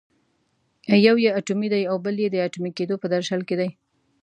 یو یې اټومي دی او بل یې د اټومي کېدو په درشل کې دی.